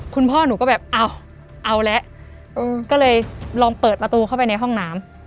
คุณพ่อหนูก็แบบเอาแล้วก็เลยลองเปิดประตูเข้าไปในห้องน้ำ